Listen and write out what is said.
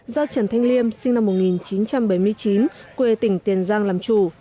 do trần thanh liêm sinh năm một nghìn chín trăm bảy mươi chín quê tỉnh tiền giang làm chủ